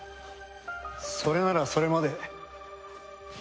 それならそれまで。